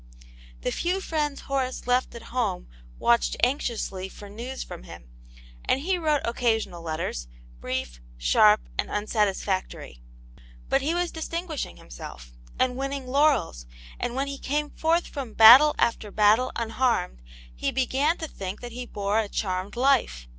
The few friends Horace left at home watched anxiously for news from him, and he wrote occa sional letters, brief, sharp, and unsatisfactory. But he was distinguishing himself, and winning laurels, and when he came forth from battle after battle unharmed, he began to think that he bore a charmed life.